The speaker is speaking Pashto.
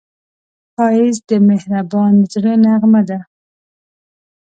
ښایست د مهربان زړه نغمه ده